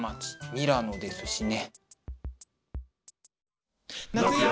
ミラノですしね。